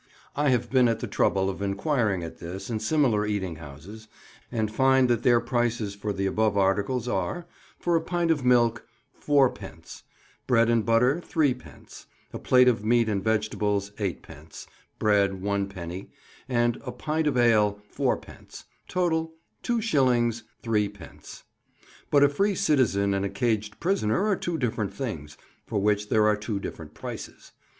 I have been at the trouble of enquiring at this and similar eating houses, and find that their prices for the above articles are, for a pint of milk, 4d.; bread and butter, 3d.; a plate of meat and vegetables, 8d.; bread, 1d.; and a pint of ale, 4d.; total, 2s. 3d. But a free citizen and a caged prisoner are two different things, for which there are two different prices.